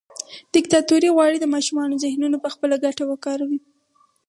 دیکتاتوري غواړي د ماشومانو ذهنونه پخپله ګټه وکاروي.